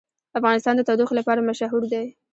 افغانستان د تودوخه لپاره مشهور دی.